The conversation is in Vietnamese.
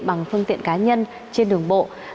bằng phương tiện cá nhân trên đường bộ